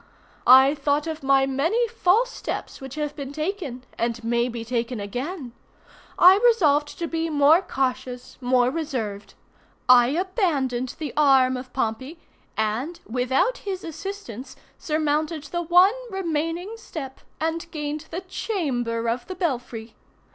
I thought of my many false steps which have been taken, and may be taken again. I resolved to be more cautious, more reserved. I abandoned the arm of Pompey, and, without his assistance, surmounted the one remaining step, and gained the chamber of the belfry.